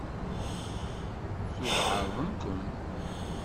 Tuɣ εerḍen-kem?